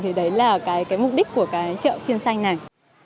thì đấy là mục đích của chợ phiên xanh này